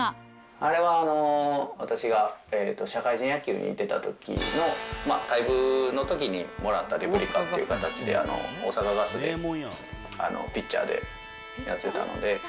あれは私が社会人野球にいてたときの、退部のときにもらったレプリカという形で、大阪ガスで、ピッチャーでやってたので。